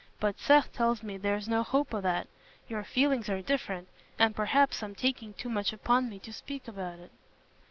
But Seth tells me there's no hope o' that: your feelings are different, and perhaps I'm taking too much upon me to speak about it."